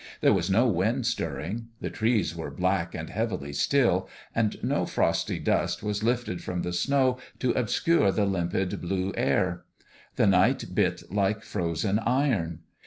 There was no wind stirring ; the trees were black and heavily still, and no frosty dust was lifted from the snow to obscure the limpid blue air. The night bit like frozen iron.